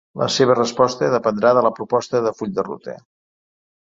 La seva resposta dependrà de la proposta de full de ruta.